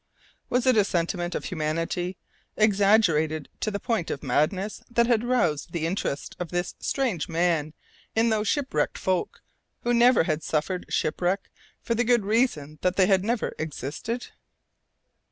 '" Was it a sentiment of humanity, exaggerated to the point of madness, that had roused the interest of this strange man in those shipwrecked folk who never had suffered shipwreck, for the good reason that they never had existed?